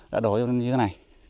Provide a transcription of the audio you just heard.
đã đổi như thế này